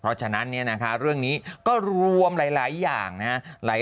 เพราะฉะนั้นเรื่องนี้ก็รวมหลายอย่างนะครับ